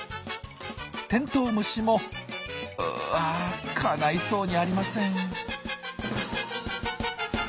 テントウムシもうわかないそうにありません。